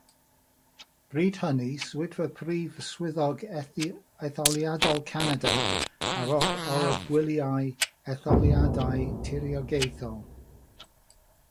Bryd hynny, Swyddfa Prif Swyddog Etholiadol Canada a oruchwyliai etholiadau tiriogaethol.